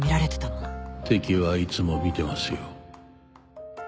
敵はいつも見てますよ